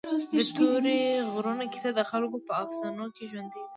د تورې غرونو کیسه د خلکو په افسانو کې ژوندۍ ده.